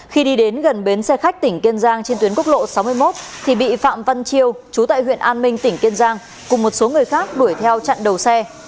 khi đi đến gần bến xe khách tỉnh kiên giang trên tuyến quốc lộ sáu mươi một thì bị phạm văn chiêu chú tại huyện an minh tỉnh kiên giang cùng một số người khác đuổi theo chặn đầu xe